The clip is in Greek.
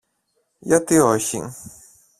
Γιατί όχι;